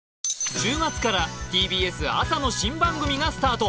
１０月からＴＢＳ朝の新番組がスタート